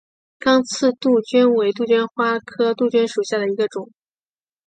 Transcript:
刚刺杜鹃为杜鹃花科杜鹃属下的一个种。